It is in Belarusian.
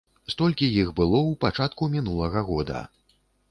Столькі іх было ў пачатку мінулага года.